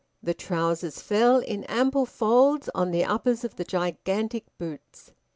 The trousers fell in ample folds on the uppers of the gigantic boots.